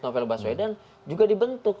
novel baswedan juga dibentuk